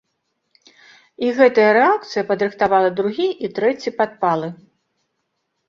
І гэтая рэакцыя падрыхтавала другі і трэці падпалы.